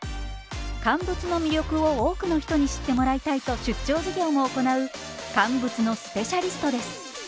乾物の魅力を多くの人に知ってもらいたいと出張授業も行う乾物のスペシャリストです。